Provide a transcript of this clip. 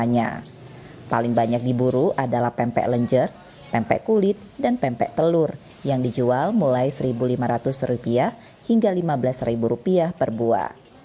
yang paling banyak diburu adalah pempek lenjer pempek kulit dan pempek telur yang dijual mulai rp satu lima ratus hingga rp lima belas per buah